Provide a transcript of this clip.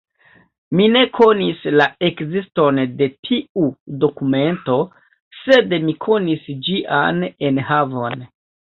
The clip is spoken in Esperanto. Mi ne konis la ekziston de tiu dokumento, sed mi konis ĝian enhavon.